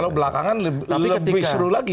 kalau belakangan lebih seru lagi